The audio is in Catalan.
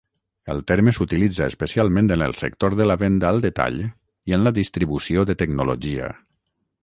El terme s'utilitza especialment en el sector de la venda al detall i en la distribució de tecnologia.